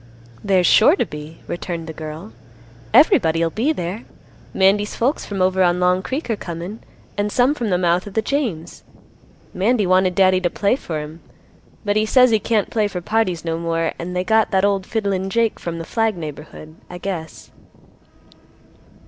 "There's sure to be," returned the girl; "everybody'll be there. Mandy's folks from over on Long Creek are comin', and some from the mouth of the James. Mandy wanted Daddy to play for 'em, but he says he can't play for parties no more, and they got that old fiddlin' Jake from the Flag neighborhood, I guess."